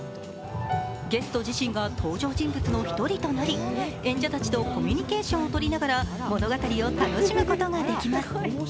ゲスト自身が登場人物の１人となり演者たちとコミュニケーションを取りながら物語を楽しむことができます。